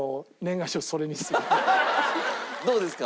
どうですか？